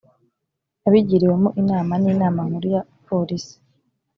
abigiriwemo inama n inama nkuru ya polisi